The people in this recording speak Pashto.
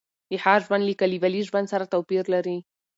د ښار ژوند له کلیوالي ژوند سره توپیر لري.